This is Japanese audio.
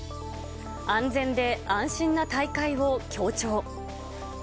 安全で安心な大会を強調。